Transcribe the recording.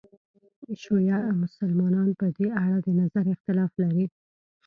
شیعه مسلمانان په دې اړه د نظر اختلاف لري.